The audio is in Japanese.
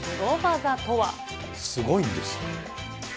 すごいんです。